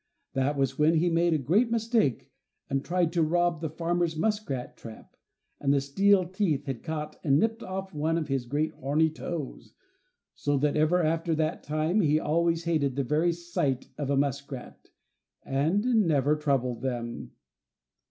That was when he made a great mistake and tried to rob the farmer's muskrat trap, and the steel teeth had caught and nipped off one of his great horny toes, so that ever after that time he always hated the very sight of a muskrat, and never troubled them.